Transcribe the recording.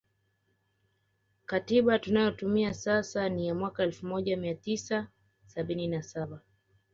Katiba tunayotumia sasa ni ya mwaka elfu moja mia tisa sabini na saba